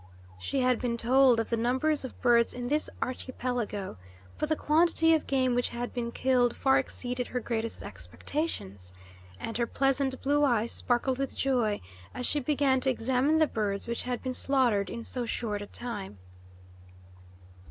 She had been told of the numbers of birds in this archipelago, but the quantity of game which had been killed far exceeded her greatest expectations, and her pleasant blue eyes sparkled with joy as she began to examine the birds which had been slaughtered in so short a time.